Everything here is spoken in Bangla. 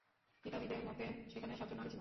কিতাবীদের মতে, সেখানে সাতজন নারী ছিল।